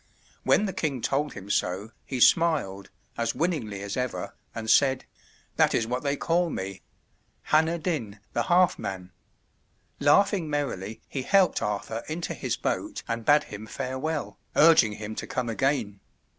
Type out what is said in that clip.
When the king told him so, he smiled, as winningly as ever, and said, "That is what they call me Hanner Dyn, The Half Man." Laughing merrily, he helped Arthur into his boat and bade him farewell, urging him to come again.